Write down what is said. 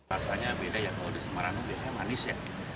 rasanya beda ya kalau di semarang biasanya manis ya